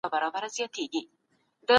ايا د سياست په اړه شکونه لا هم پر ځای دي؟